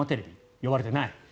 呼ばれていない。